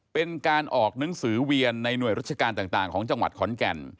เป็นการออกหนังสือเวียนในหน่วยราชการต่างของจังหวัดขอนแก่น